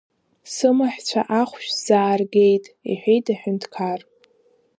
Сымаҳәцәа ахәшә сзааргеит, — иҳәеит аҳәынҭқар.